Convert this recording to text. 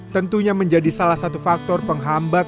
tentunya menjadi salah satu faktor penghambat